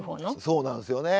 そうなんですよね。